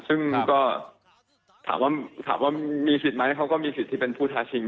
ซึ่งก็ถามว่าถามว่ามีสิทธิ์ไหมเขาก็มีสิทธิ์ที่เป็นผู้ท้าชิง